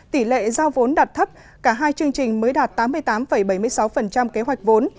tỷ lệ giao vốn đạt thấp cả hai chương trình mới đạt tám mươi tám bảy mươi sáu kế hoạch vốn